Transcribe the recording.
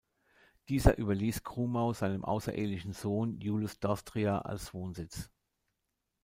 Dieser überließ Krumau seinem außerehelichen Sohn Julius d’Austria als Wohnsitz.